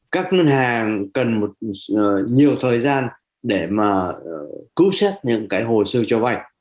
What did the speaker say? các ngân hàng cần nhiều thời gian để mà cứu xét những cái hồ sơ cho vay